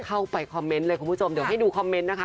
เข้าไปคอมเมนต์เลยคุณผู้ชมเดี๋ยวให้ดูคอมเมนต์นะคะ